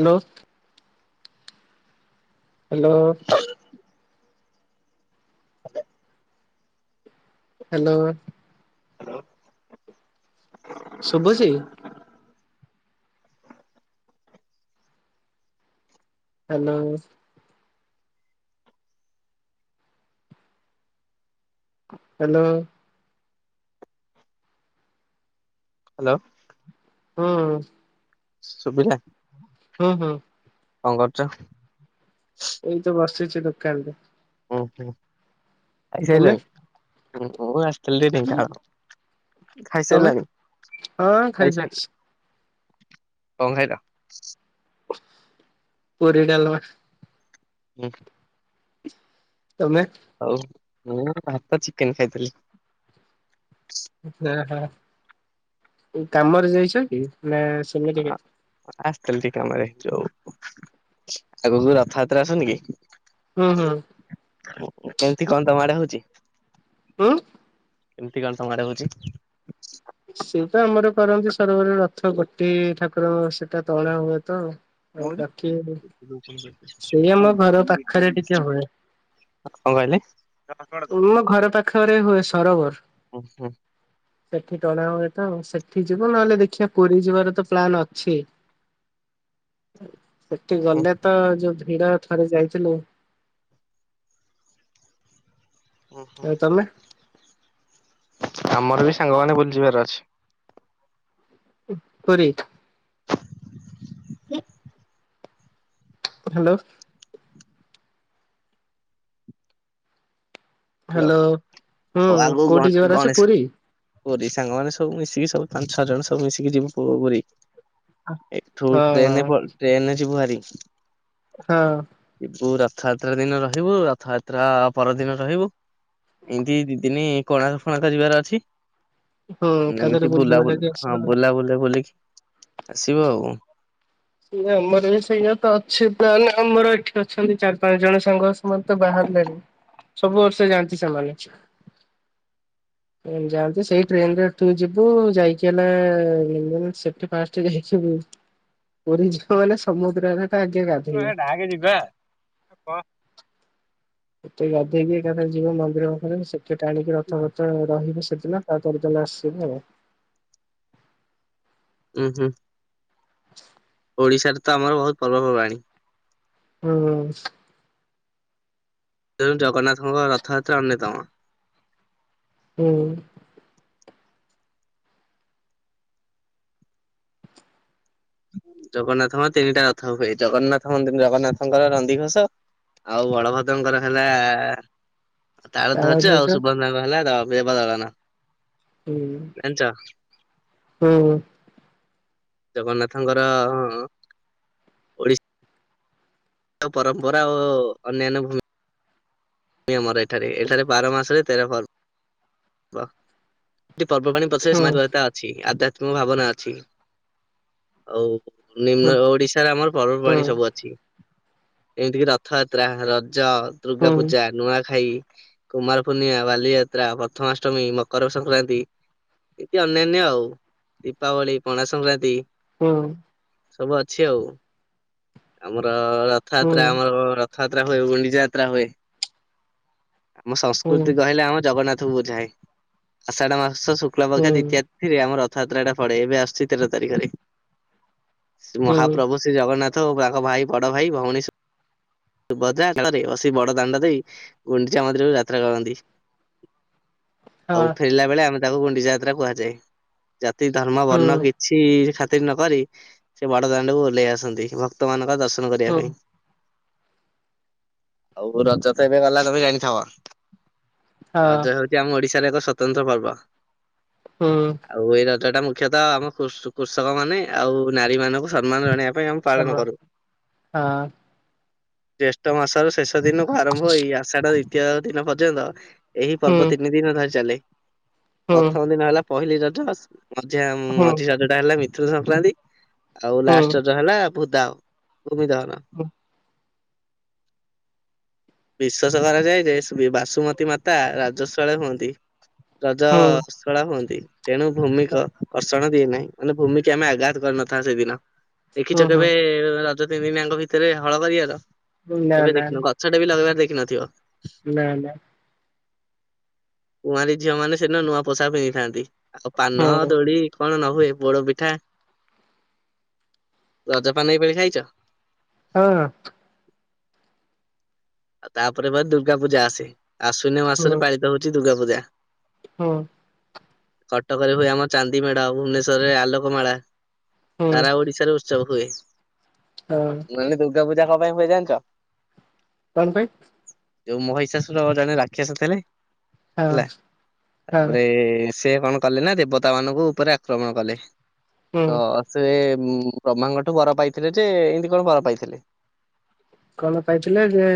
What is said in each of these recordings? Hello. Hello. Hello. Hello. ଶୁଭୁଛି [inaudible] hello. Hello. Hello. ହୁଁ। ସୁବିଲା? ହୁଁ ହୁଁ। କଣ କରୁଛ? ଏଇ ତ ବସିଛି ଦୋକାନ ରେ। ହଁ ହୁଁ ତମେ ଖାଇସୈଳନି? [unintelligible] ଜଲଦି ଟା ତମେ ଖାଇସାରିଲାଣି ହଁ ଖାଇସାରିଲି। ଖାଇସାରିଛି କଣ ଖାଇଲ? ପୁରୀ ଡାଲମା। ହୁଁ। ତମେ? ହଉ ମୁଁ ଭାତ ଚିକେନ ଖାଇଥିଲି। ହଁ ହ କାମରେ ଯାଇଛ କି ନା ସେମିତି ଆସିଥିଲି ଟିକେ କାମରେ ଯଉ ଆଗକୁ ରଥଯାତ୍ରା ଆସୁନି କି? ହୁଁ ହୁଁ। ଏମିତି କଣ ତମ ଆଡେ ହଉଛି? ଉଁ? ଏମିତି କଣ ସମୟଡେ ହଉଛି? ସେଟ ଆମର କରନ୍ତି ସରବର ରଥ ଗୋଟିଏ ଠାକୁର ସେଟା ତଳା ହୁଏ ତ। ଆଉ ବାକି ସେଇ ଆମ ଘର ପାଖରେ ଟିକେ ହୁଏ। କଣ କହିଲେ? ପୁରୁ ଘର ପାଖରେ ହୁଏ ସରୋବର। ଉଁ ହୁଁ ସେଠି ଟଣା ହୁଏ ତ ସେଠି ଯିବ ନହେଲେ ଦେଖିବା ପୁରୀ ଯିବାର ତ ପ୍ଲାନ୍ ଅଛି। ସେଠି ଉଁ ଗଲେ ତ ଯୋଉ ଭିଡ ଥରେ ଯାଇଥିଲୁ। ଓ ହ ଆଉ ତମେ ଆମର ବି ସାଙ୍ଗମାନେ ବୁଲିଯିବାର ଅଛି। [unintelligible] [unintelligible] ହ୍ୟାଲୋ। ହଲ ହ୍ୟାଲୋ ହୁଁ ଆଉ ଆଗକୁ କୋଉଠି ଗଣ ଯିବାର ଅଛି ଗଣେଶ ପୁରୀ ପୀ ସାଙ୍ଗ ମମାନେ ସବୁ ମିଶିକି ସବୁ ପାଞ୍ଚ ଛଅ ଜଣ ସବୁ ମିଶିକି ଯିବ ପ- ପୁରୀ। ଏକଠୁ ହଁ ଟ୍ରେନ- ଟ୍ରେନେ ଯିବୁହାରି। ହଁ। ବୁ ରଥଯାତ୍ରା ଦିନ ରହିବୁ ରଥଯାତ୍ରା ପରଦିନ ରହିବୁ। ଏମିତି ଦିଦିନି କଣା ଫଣା ଯିବାର ଅଛି। ହୁଁ ଏକାଥରେ ଏମିତି ବୁଲି ବୁଲାକି ବୁଲାବୁଲା ହଁ ଆସିବା। ବୁଲା ବୁଲା ବୁଲିକି ଆସିବ ଆଉ। ସେ ଆମର ବି ସେଇଆ ତ ଅଛି ତାହେଲେ ଆମର ଏଠି ଅଛନ୍ତି ଚାରି ପାଞ୍ଚ ଜଣ ସାଙ୍ଗ। ସେମାନେ ତ ବାହାରିଲେଣି ସବୁ ବର୍ଷ ଯାଆନ୍ତି ସେମାନେ। ଯାଆନ୍ତି ସେଇ ଟ୍ରେନରେ ଏଠୁ ଯିବୁ ଯାଇକି ହେଲେ ସେଠି ଫଷ୍ଟ ଯାଇକିବୁ। ପୋ ଝିବ ବଲେ ସମୁଦ୍ରରେ ଆଜ୍ଞା। ହ ଡାହାକେ ଯିବା। ଏତେ ଗାଧେଇକି ଏକାଥରେ ଯିବ ମନ୍ଦିର ପାଖରେ ସେଠେ ଟାଣିକି ରଥପଥ ରହିବ ସେଦିନ। [unintelligible] ହୁଁ ହୁଁ। [inaudible] ଓଡ଼ିଶାରେ ତ ଆମର ବହୁତ ପର୍ବପର୍ବାଣୀ। ହୁଁ। ତେଣୁ ଜଗନ୍ନାଥଙ୍କ ରଥଯାତ୍ରା ଅନ୍ୟତମ। ହୁଁ ଜଗନ୍ନାଥଙ୍କର ତିନିଟା ରଥ ହୁଏ ଜଗନ୍ନାଥ ମନ୍ଦିର ଜଗନ୍ନାଥଙ୍କର ରନ୍ଧିଘୋଷ ଆଉ ବଳଭଦ୍ରଙ୍କର ହେଲା ତାାର ତାଳ ଧରିଛ ଆଉ ଧ୍ୱଜ ସୁଭଧଙ୍ଗ ହେଲା ବ୍ୟବଲା ନା ହୁଁ ହୁଁ ଜଗନ୍ନାଥଙ୍କର ଓଡ଼ିଶା ପରମ୍ପରା ଓ ଅନ୍ୟାନ୍ୟ ଭୂମି ଆମର ଏଠାରେ ଏଠାରେ ବାର ମାସରେ ତେର ଫର୍ [inaudible] ହୁଁ ଅଛି ଆଧ୍ୟାତ୍ମିକ ଭାବନା ଅଛି ଆଉ ନିମ୍ନ ଓଡିଶାରେ ଆମର ହୁଁ ପର୍ବପବାଣି ସବୁ ଅଛି ଏମିତିକି ରଥଯାତ୍ରା ରଜ ଦୁର୍ଗା ହୁଁ ପୂଜା ନୂଆଖାଇ କୁମାର ପୂର୍ଣ୍ଣିମା ବାଲିଯାତ୍ରା ପ୍ରଥମାଷ୍ଟମୀ ମକର ସଂକ୍ରାନ୍ତି ଏଇତି ଅନ୍ୟାନ୍ୟ ଆଉ ଦୀପାବଳି ପଣା ସଂକ୍ରାନ୍ତି ହୁଁ ସବୁ ଅଛି ଆଉ ଆମର ରଥଯାତ୍ରା ହୁଁ ଆମର ଛାତ୍ରା ହଏ ଗୁଣ୍ଡି ଯାତ୍ରା ହଏ ଆମ ସଂସ୍କୃତି କହିଲେ ଆମ ଜଗନ୍ନାଥ କ ବୁଝାଏ ଆଷାଢ ମାସ ଶୁକ୍ଳପକ୍ଷ ହୁଁ ଦ୍ୱିତୀୟ ଥିରେ ଆମ ରଥଯାତ୍ରା ଟା ପଡେ ଏବେ ଆସୁଛି କତେର ତାରିଖରେ ହୁଁ ହୁଁ ମହାପ୍ରଭୁ ଶ୍ରୀ ଜଗନ୍ନାଥ ଓ ତାଙ୍କ ଭାଇ ବଡ ଭାଇ ଭଉଣୀ ସୁଭଦ୍ରା କାଳରେ ବସି ବଡ ଦାଣ୍ଡ ଦେଇ ଗୁଣ୍ଡିଚା ମନ୍ଦିରକୁ ଯାତ୍ରା କରନ୍ତି ହଁ ଆଉ ଫେରିଲା ବେଳେ ଆମେ ତାକୁ ଗୁଣ୍ଡିଚା ଯାତ୍ରା କୁହାଯାଏ ଜାତି ଧର୍ମ ହୁଁ ବର୍ଣ୍ଣ କି କିଛି ଖାତିର ନ କରି ସେ ବଡ ଦାଣ୍ଡକୁ ଓହ୍ଲେଇ ଆସନ୍ତି ଭକ୍ତ ମାନଙ୍କ ଦର୍ଶନ କରିବା ହୁଁ ପାଇଁ ଆଉ ରଜ ତ ଏବେ ଗଲା ତମେ ଜାଣିଥିବ ହଁ ରଜ ହେଉଛି ଆମ ଓଡିଶାରେ ଏକ ସ୍ୱତନ୍ତ୍ର ପର୍ବ ହଁ ଆଉ ଏଇ ରଜଟା ମୁଖ୍ୟତଃ ଆମ କୃଷ କୃଷକ ମାନେ ଆଉ ନାରୀ ମାନଙ୍କୁ ସମ୍ମାନ ଜଣେଇବା ପାଇଁ ଆମେ ହଁ ପାଳନ କରୁ। ହଁ ଜ୍ୟେଷ୍ଠ ମାସର ଶେଷ ଦିନକୁ ଆରମ୍ଭ ଏଇ ଆଷାଢ ଦ୍ଵିତୀୟା ଦିନ ପର୍ଯ୍ୟନ୍ତ ଏହି ପର୍ବ ତିନି ଦିନ ଧରି ଚାଲେ ହୁଁ ପ୍ରଥମ ଦିନ ହେଲା ପହିଲି ରଜ ମଝିଆ ହୁଁ ହୁଁ ମଝି ରଜ ହେଲା ମିଥୁନ ସଂକ୍ରାନ୍ତି ଆଉ ହୁଁ ହୁଁ ଲାଷ୍ଟ ରଜ ହେଲା ଭୁଦାଅ ଭୂମି ଦହନ ହୁଁ ବିଶ୍ୱାସ କରାଯାଏ ଯେ ବାସୁମତୀ ମାତା ରଜସ୍ୱଳା ହୁଅନ୍ତି ରଜ ହୁଁ ହୁଅନ୍ତି ତେଣୁୂ ଭୂମି କର୍ଷଣ ଦିଏ ନାହିଁ ମାନେ ଭୂମିିକୁ ଆମେ ଆଘାତ କରିନଥାଉ ସେଦିନ ଦେଖିଛ ହୁଁ ହୁଁ କେବେ ରଜ ତିନି ଦିନିଆଙ୍କ ଭିତରେ ହଳ କରିବାର ନା କେବେ ଦେଖିନ କ ସେଇଟା ବି ଲଗେଇବାର ଦେଖି ନଥିବ ନାଁ ନାଁ କୁଆଁରୀ ଝିଅ ମାନେ ସେଦିନ ନୂଆ ପୋଷାକ ପିନ୍ଧିଥାନ୍ତି ଆଉ ପାନ ହୁଁ ଦୋଳି କଣ ନ ହୁଏ ପୋଡ ପିଠା ରଜପାନ ଏଇପାଳି ଖାଇଛ ହଁ ଆଉ ତାପରେ ବା ଦୁର୍ଗା ପୂଜା ଆସେ ଆଶ୍ୱିନ ମାସରେ ପାଳିତ ହଉଛି ଦୁର୍ଗାପୂଜା ହଁ କଟକରେ ହୁଏ ଆମ ଚାନ୍ଦି ମେଢ଼ ଭୁବନେଶ୍ୱରରେ ଆଲୋକ ମେଳା ହୁଁ ସାରା ଓଡିଶାରେ ଉତ୍ସବ ହୁଏ ହୁଁ ଦୂର୍ଗାପୂଜା କଣ ପାଇଁ ହୁଏ ଜାଣିଛ କଣ ପାଇଁ ଯୋଉ ମହିଷାସୁର ଜଣେ ରାକ୍ଷସ ଥିଲେ ହଁ ହେଲା ହଁ ତାପରେ ସେ କଣ କଲେ ନା ଦେବତା ମାନଙ୍କୁ ଉପରେ ଆକ୍ରମଣ କଲେ ହୁଁ ତ ସେ ବ୍ରହ୍ମାଙ୍କଠୁ ବର ପାଇଥିଲେ ଯେ ଏମିତି କଣ ବର ପାଇଥିଲେ। କଣ ପାଇଥିଲେ ଯେ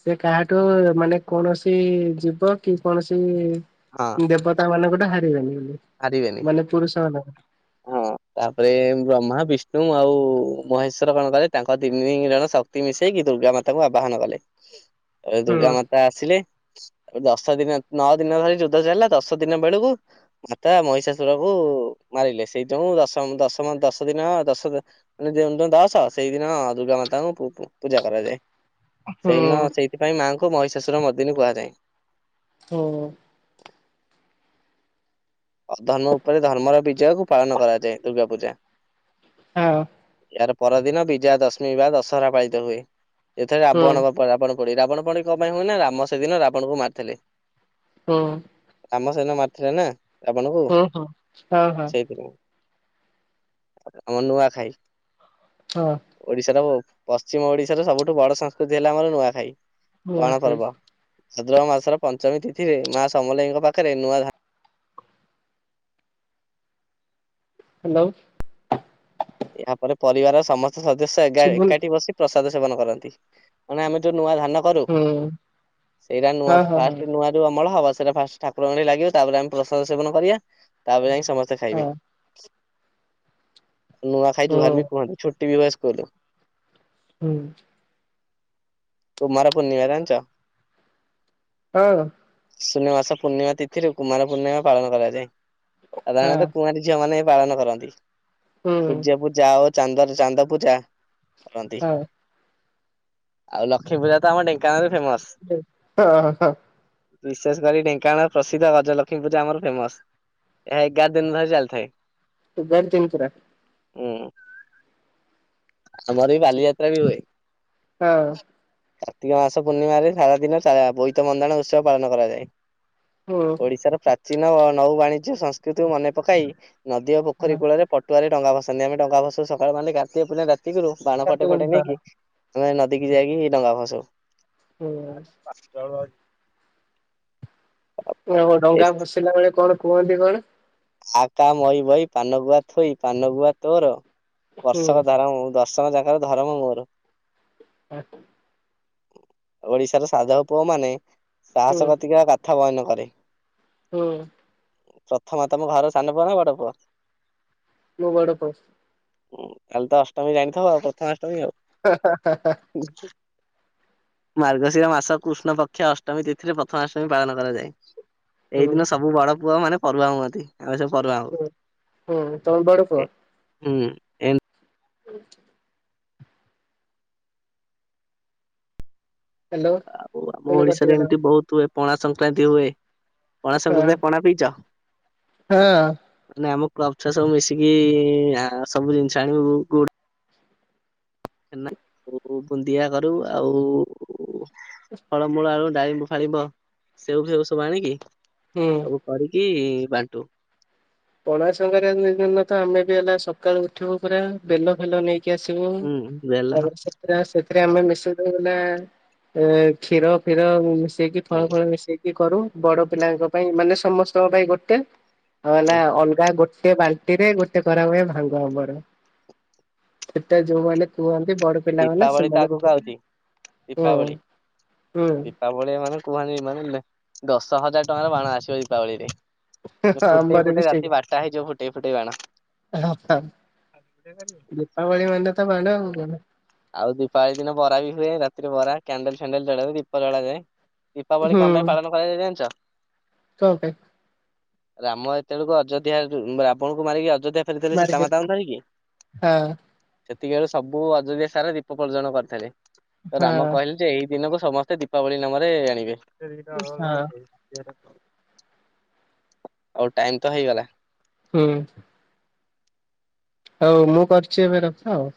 ସେ କାହାଠୁ ମାନେ କୌଣସି ଜୀବ କି କୌଣସି ହଁ ଦେବତା ମାନଙ୍କଠୁ ହାରିବେନି ବୋଲି ହାରିବେନି। ମାନେ ପୁରୁଷମାନେଙ୍କ ଦ୍ଵାରା। ହଁ ତାପରେ ବ୍ରହ୍ମା ବିଷ୍ଣୁ ଆଉ ମହେଶ୍ଵର କଣ କଲେ ତାଙ୍କ ତିନି ଜଣ ଶ କ୍ତି ମିଶେଇକି ଦୁର୍ଗା ମାତାଙ୍କୁ ଆବାହନ କଲେ। ହୁଁ ଦୁର୍ଗାମାତା ଆସିଲେ ଦଶଦିନ ନଅଦିନ ଧରି ଯୁଦ୍ଧ ଚାଲିଲା ଦଶଦିନ ବେଳକୁ ମାତା ମହିଷାସୁରକୁ ମାରିଲେ ସେଇ ଯୋଉଁ ଦଶ ଦଶମ ଦଶ ଦିନ ଦଶ ମାନେ ଯେଉଁ ଯେଉଁ ଦଶ ସେଇଦିନ ଦୁର୍ଗା ମାତାଙ୍କୁ ପୂଜା ପୂଜା କରାଯାଏ। ହୁଁ ସେଇଦିନ ସେଇଥିପାଇଁ ମାଆଙ୍କୁ ମହିଷାସୁର ମର୍ଦ୍ଦିନୀ କୁହାଯାଏ। ଓହୋ। ଧର୍ମ ଉପରେ ଧର୍ମର ବିଜୟ କୁ ପାଳନ କରାଯାଏ ଦୁର୍ଗା ପୂଜା। ଆଉ। ୟାର ପରଦିନ ବିଜୟା ଦଶମୀ ବା ଦଶହରା ପାଳିତ ହୁଏ ଏଥିରେ ହୁଁ ରାବଣଙ୍କ ରାବଣ ପୋଡି ରାବଣ ପୋଡି କଣ ପାଇଁ ହୁଏ ନା ରାମ ସେଦିନ ରାବଣଙ୍କୁ ମାରିଥିଲେ। ହୁଁ। ରାମ ସେନ ମାରିଥିଲେ ନା ରାବଣକୁ ହୁଁ ହଁ ହଁ ହଁ। ସେଇଥିପାଇଁ। ଆମର ନୂଆଖାଇ ହଁ। ଓଡିଶାର ପଶ୍ଚିମ ଓଡିଶାର ସବୁଠୁ ବଡ ସଂସ୍କୃତି ହେଲା ଆମର ନୂଆଖାଇ ମୁଁ ଆସଛି ଗଣପର୍ବ। ଭାଦ୍ରବ ମାସର ପଞ୍ଚମୀ ତିଥିରେ ମା ସମଲେଇଙ୍କ ପାଖରେ ନୂଆ ହାଲୋ? ଏହାପରେ ପରିବାର ସମସ୍ତ ସଦସ୍ୟ ଶୁଭୁନି ଏକାଠି ବସି ପ୍ରସାଦ ସେବନ କରନ୍ତି ମାନେ ଆମେ ଯୋଉ ନୂଆ ଧାନ କର ହୁଁ ସେଇରା ନୂଆ ହଁ ହଁ ଫାଷ୍ଟ ଦିନ ନୂଆ ଅମଳ ହବ ସେଇଟା ଫାଷ୍ଟଠାକୁରଙ୍କ ଠେଇଁ ଲାଗିବ ତାପରେ ଆମେ ପ୍ରସାଦ ସେବନ କରିବା ତାପରେ ଯାଇଁକି ସମସ୍ତେ ହଁ ଖାଇବେ। ନୂଆ ଖାଇ ହଁ ଜୁହାର ବି କୁହନ୍ତି ଛୁଟି ବି ହୁଏ ସ୍କୁଲ। ହୁଁ। କୁମାର ପୂର୍ଣ୍ଣିମା ଜାଣିଛ? ହଁ। ଆଶୂନ୍ୟ ମାସ ପୂର୍ଣ୍ଣିମା ତିଥିରେ କୁମାର ପୂର୍ଣ୍ଣିମା ପାଳନ କରାଯାଏ ହଁ ସାଧାରଣତଃ କୁଆଁରୀ ଝିଅମାନୋନ ପାଳନ କରନ୍ତି। ହୁଁ ସୂର୍ଯ୍ୟ ପୂଜା ଆଉ ଚାନ୍ଦରେ ଚାନ୍ଦ ପୂଜା କରନ୍ତି। ହଁ ଆଉ ଲକ୍ଷ୍ମୀ ପୂଜା ତ ଆମ ଢେଙ୍କାନାରେ ଫେମସ। ହଁ ହଁ। ବିଶେଷ କରି ଢେଙ୍କାନାଳ ପ୍ରସିଦ୍ଧ ଗଜଲକ୍ଷ୍ମୀ ପୂଜା ଆମର ଫେମସ। ଏହା ଏଗାର ଦିନ ଧରି ଚାଲି ଥାଏ। ଗାର ଦିନି ପୁରା। ଉଁ। ଆମର ବି ବାଲିଯାତ୍ରା ବି ହୁଏ। ହଁ କାର୍ତ୍ତିକ ମାସ ପୂର୍ଣ୍ଣିମାରେ ସାରାଦିନ ବୋଇତ ବନ୍ଦାଣ ଉତ୍ସବ ପାଳନ କରାଯାଏ। ହୁଁ। ଓଡିଶାର ପ୍ରାଚୀନ ଓ ନୌ ବାଣିଜ୍ୟ ସଂସ୍କୃତିକୁ ମନେ ପକାଇ ନଦୀ ଓ ପୋଖରୀ କୂଳରେ ପଟୁଆରେ ଡ଼ଙ୍ଗା ଭସାନ୍ତି ଆମେ ଡ଼ଙ୍ଗା ଭସୋଉ ସକାଳ ମାନେ ଗାତିଏ ପୁରା ରାତିକରୁ ବାଣ ଫାଟ ଫାଟେ ହଁ ନେଇକି ଆମେ ନଦୀକି ଯାଇକି ଡଙ୍ଗା ଭସଉ। ହୁଁ [unintelligible] ନା ମ ଡଙ୍ଗା ଭସେଇଲା ବେଳେ କଣ କୁହନ୍ତି କ ଆ କା ମଇ ବଇ ପାନଗୁଆ ଥୋଇ ପାନଗୁଆ ତୋର ହୁଁ ବର୍ଷକ ଧରମ ମୋର। ର୍ଷକ ଜାକର ଧର୍ମ ମୋର। ହଁ! ଓଡିଶାର ସାଧବ ପୁଅ ମାନେ ହୁଁ ସାହସ କତିକି ଉ ବୟନ କରେ [inaudible] ହୁଁ! ପ୍ରଥମ ତମ ଘର ସାନ ପୁଅ ନା ବଡ ପୁଅ? ମୁଁ ବଡ ପୁଅ! ହୁଁ, କାଲି ତ ଅଷ୍ଟମୀ ଜାଣିଥିବ ଆଉ ପ୍ରଥମ ଅଷ୍ଟମୀ ଆଉ! ହଁ ହଁ! ଦେଖ [inaudible] ମାର୍ଗଶିର ମାସ କୃଷ୍ଣ ପକ୍ଷ ଅଷ୍ଟମୀ ତିଥିରେ ପ୍ରଥମାଷ୍ଟମୀ ପାଳନ କରାଯାଏ ଏଇ ହୁଁ ଦିନ ସବୁ ବଡ ପୁଅ ମାନେ ପରଆ ହୁଅନ୍ତି ଆସ ପର ହଉ ହୁଁ ହୁଁ ତମେ ବଡ ପୁଅ ହୁଁ [inaudible] ହୁଁ ହ୍ୟାଲୋ ଆଉ ଆମ ପୁଣି ଓଡିଶାରେ କଟିଗଲା ଏମିତି ବହୁତ ପଣା ସଂକ୍ରାନ୍ତି ହୁଏ ପଣା ହଁ ସଂକ୍ରାନ୍ତିରେ ପଣା ପିଇଛ? ହଁ ମାନେ ଆମ କ୍ଲବ ଛୁଆ ସବୁ ମିଶିକି ସବୁ ଜିନିଷ ଆଣିବୁ ବୁନ୍ଦିଆ କରୁ ଆଉ ଫଳମୂଳ ଆଉ ଡାଳିମ୍ବ ଫାଳିବ ସେଉ ଫେଉ ସବୁ ଆଣିକି ହୁଁ ସବୁ କରିକି ବାଣ୍ଟୁ ପଣା ସଂକ୍ରାନ୍ତି ଦିନ ତ ଆମେ ବି ହେଲା ସକାଳୁ ଉଠିବୁ ପୁରା ବେଲ ଫେଲ ନେଇକି କିସିବ ହୁଁ ବେଲ [inaudible] ସେଥିରେ ସେଥିରେ ଆମେ ମିଶେଇ ଦବୁନା କ୍ଷୀର, ଫିର ମିଶେଇକି ଫଳ ହୁଁ ଫଳ ମିଶେଇକି କରୁ ବଡ ପିଲାଙ୍କ ପାଇଁ ମାନେ ସମସ୍ତଙ୍କ ପାଇଁ ଗୋଟେ ହେଲା। ହୁଁ ପୁରା ଗୋଟେ ବାଲ୍ଟି ରେ ଗୋଟେ ଗରା ଭଳିଆ ଭାଙ୍ଗ ହବର ସେଟା ଯୋଉମାନେ କୁହନ୍ତି ବଡ଼ ଦୀପାବଳି ତ ଆଗକୁ ଆଉଛି ହୁଁ ଦୀପାବଳି ହୁଁ ଦୀପାବ ଦଳିଆ ମାନେ କୁହନ୍ତି ମାନେ ଦଶ ହଜାର ଟଙ୍କାର ବାଣ ଆସିବ ଦୀପାବଳିରେ। ଫୁଟେଇ ଆମର ବି ଫୁଟେଇ ରାତି ସେଇଆ। ବାରଟା ହେଇଯିବ ଫୁଟେଇ ଫୁଟେଇ ବାଣ। ହଁ [unintelligible] ଦୀପାବଳି ମାନେ ତ ମାଡ଼ ଆଉ କଣ ଆଉ ଦୀପାବଳି ଦିନ ବରା ବି ହୁଏ। ରାତିରେ ବରା କ୍ୟାଣ୍ଡେଲ୍ ଫ୍ୟାଣ୍ଡେଲ୍ ଜଳା ହୁଏ। ଦୀପ ଜଳାଯାଏ। ଦୀପାବଳି କଣ ପାଇଁ ପାଳନ କରାଯାଏ ଜାଣିଛ? ସକେ ରାମ ଏତେବେଳକୁ ଅଯୋଧ୍ୟା ଯୋଉ ରାବଣ କୁ ମାରିକି ଅଯୋଧ୍ୟା ମାରିଦେ [unintelligible] ହଁ ସେତିକି ବେଳୁ ସବୁ ଅଯୋଧ୍ୟା ସାରା ଦୀପ ପର୍ଜନ କରିଥିଲେ। ହଁ ରାମ କହିଲେ ଜେ ଏଇ ଦିନକୁ ସମସ୍ତେ ଦୀପାବଳି ନାମରେ ଆଣିବେ। ହଁ ଆଉ ଟାଇମ୍ ତ ହେଇଗଲା। ହୁଁ ହଉ ମୁଁ କରିଛି ଏବେ ରଖ ଆଉ